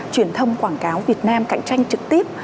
truyền thông quảng cáo việt nam cạnh tranh trực tiếp